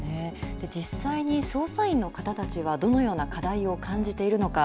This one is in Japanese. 実際に操作員の方たちはどのような課題を感じているのか。